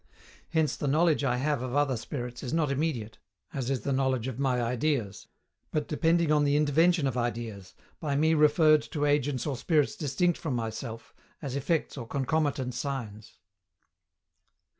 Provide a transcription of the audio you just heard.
Hence, the knowledge I have of other spirits is not immediate, as is the knowledge of my ideas; but depending on the intervention of ideas, by me referred to agents or spirits distinct from myself, as effects or concomitant signs.